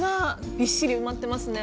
びっしり埋まってますね。